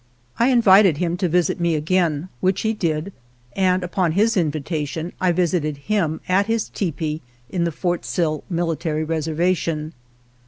I invited him to visit me again, which he did, and upon his invitation, I visited him at his tepee in the Fort Sill Military res ervation.